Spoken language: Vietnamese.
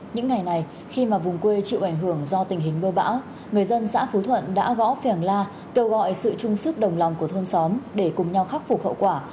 những ngày này khi mà vùng quê chịu ảnh hưởng do tình hình mưa bão người dân xã phú thuận đã gõ phèng la kêu gọi sự chung sức đồng lòng của thôn xóm để cùng nhau khắc phục hậu quả